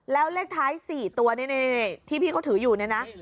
แล้วเลขท้าย๔ตัวนี่ที่พี่เขาถืออยู่เนี่ยนะ